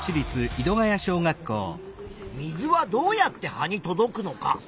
水はどうやって葉に届くのか。